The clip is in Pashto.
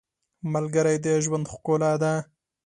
• ملګری د ژوند ښکلا ده.